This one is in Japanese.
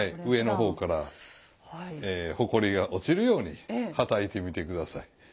上の方からほこりが落ちるようにはたいてみて下さい。